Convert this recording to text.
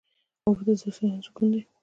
اوبه د ذهن سکون دي.